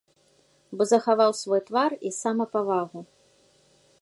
Бо захаваў свой твар і самапавагу.